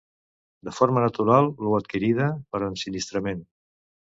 De forma natural o adquirida per ensinistrament.